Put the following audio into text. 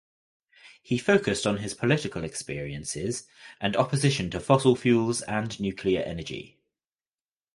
He focused on his political experiences and opposition to Fossil Fuels and Nuclear Energy.